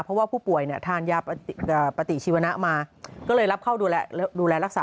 เพราะว่าผู้ป่วยเนี่ยทานยาปฏิชีวนะมาก็เลยรับเข้าดูแลรักษา